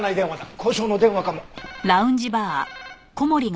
交渉の電話かも。